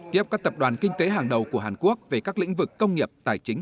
tiếp các tập đoàn kinh tế hàng đầu của hàn quốc về các lĩnh vực công nghiệp tài chính